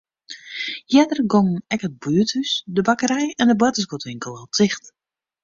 Earder gongen ek it buerthûs, de bakkerij en de boartersguodwinkel al ticht.